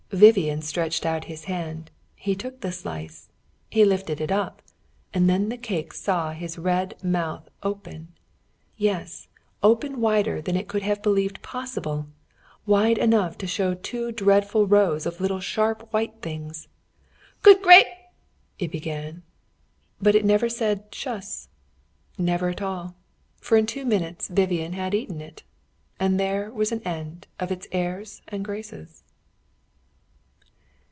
Vivian stretched out his hand; he took the slice; he lifted it up, and then the cake saw his red mouth open yes, open wider than it could have believed possible wide enough to show two dreadful rows of little sharp white things. "Good gra " it began. But it never said "cious." Never at all. For in two minutes Vivian had eaten it!! And there was an end of its airs and graces.